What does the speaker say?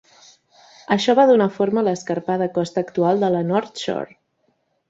Això va donar forma a l'escarpada costa actual de la North Shore.